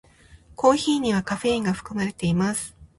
コーヒーにはカフェインが含まれています。